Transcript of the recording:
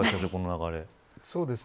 この流れ。